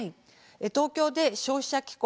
東京で消費者機構